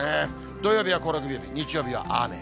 土曜日は行楽日和、日曜日は雨。